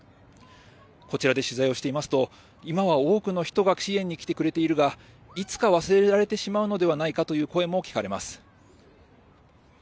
こちらで取材をしていますと今は多くの人が支援に来てくれているがいつか忘れられてしまうのではないかという声も聞かれます。